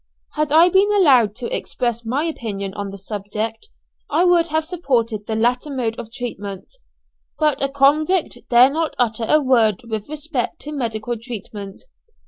Had I been allowed to express my opinion on the subject I would have supported the latter mode of treatment; but a convict dare not utter a word with respect to medical treatment.